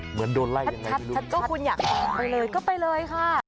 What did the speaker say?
เหมือนโดนไล่อย่างไรไม่รู้ค่ะไปเลยค่ะ